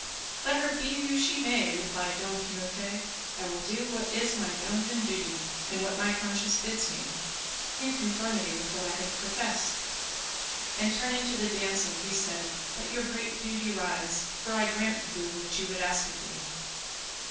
"Let her be who she may," replied Don Quixote, "I will do what is my bounden duty, and what my conscience bids me, in conformity with what I have professed;" and turning to the damsel he said, "Let your great beauty rise, for I grant the boon which you would ask of me."